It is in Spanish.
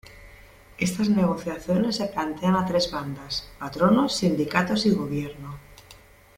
Estas negociaciones se plantean a tres bandas: patronos, sindicatos y gobierno.